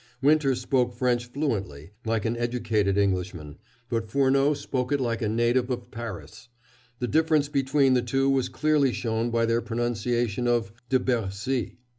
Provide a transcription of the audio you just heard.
Winter spoke French fluently like an educated Englishman but Furneaux spoke it like a native of Paris. The difference between the two was clearly shown by their pronunciation of "de Bercy."